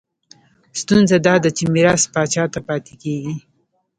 ستونزه دا ده چې میراث پاچا ته پاتې کېږي.